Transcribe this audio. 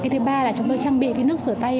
thứ ba là chúng tôi trang bị nước rửa tay